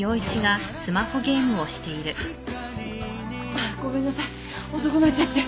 あっごめんなさい遅くなっちゃって。